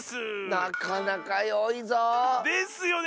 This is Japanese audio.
なかなかよいぞ！ですよね！